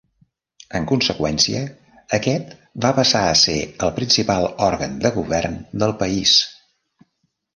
En conseqüència, aquest va passar a ser el principal òrgan de govern del país.